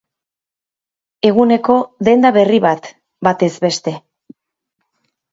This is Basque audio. Eguneko denda berri bat batez beste.